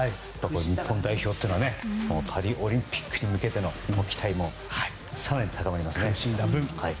日本代表はパリオリンピックに向けての期待も更に高まりますね。